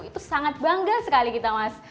itu sangat bangga sekali kita mas